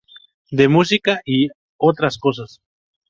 De música... y otras cosas.